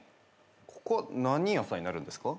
ここは何屋さんになるんですか？